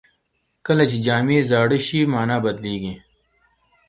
کله چې جامې زاړه شي، مانا بدلېږي.